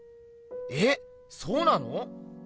えそうなの？